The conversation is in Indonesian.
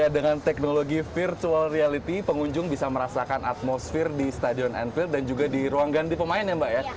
dengan teknologi virtual reality pengunjung bisa merasakan atmosfer di stadion anfield dan juga di ruang ganti pemain ya mbak ya